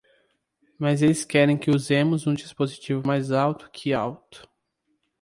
Mas eles querem que usemos um dispositivo mais alto que alto.